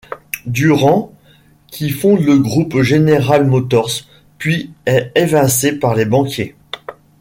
Durant, qui fonde le groupe General Motors, puis est évincé par les banquiers.